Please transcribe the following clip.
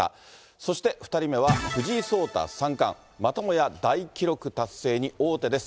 そして、２人目は藤井聡太三冠、またもや大記録達成に王手です。